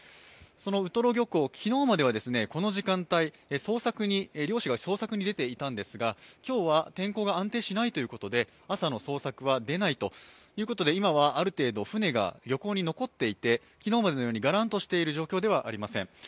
そのウトロ漁港、昨日まではこの時間帯、漁師が捜索に出ていたんですが、今日は天候が安定しないということで、朝の捜索は出ないということで今はある程度船が漁港に残っていて、昨日までのようにガランとしている状況ではありません。